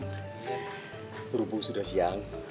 terumbuk sudah siang